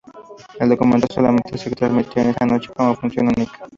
El documental solamente se transmitió esa noche como función única.